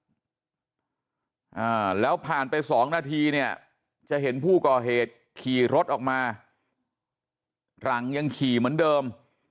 อ่าแล้วผ่านไปสองนาทีเนี่ยจะเห็นผู้ก่อเหตุขี่รถออกมาหลังยังขี่เหมือนเดิม